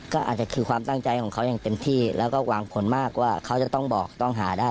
ก็อาจจะคือความตั้งใจของเขาอย่างเต็มที่แล้วก็วางผลมากว่าเขาจะต้องบอกต้องหาได้